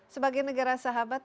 sebagai negara sahabat